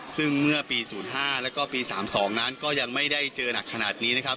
ซึ่งเมื่อปี๐๕แล้วก็ปี๓๒นั้นก็ยังไม่ได้เจอหนักขนาดนี้นะครับ